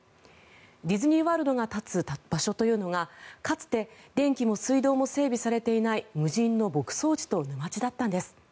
ディズニー・ワールドが立つ場所というのがかつて電気も水道も整備されていない無人の牧草地と沼地だったんです。